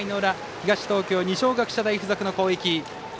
東京、二松学舎大付属の攻撃。